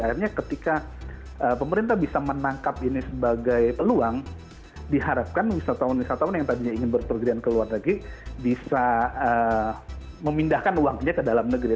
akhirnya ketika pemerintah bisa menangkap ini sebagai peluang diharapkan wisatawan wisatawan yang tadinya ingin berpergian ke luar negeri bisa memindahkan uangnya ke dalam negeri